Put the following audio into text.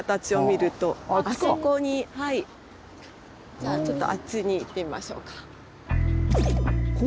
じゃあちょっとあっちに行ってみましょうか。